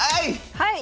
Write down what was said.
はい！